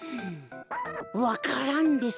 わか蘭です。